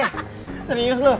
hahaha serius lu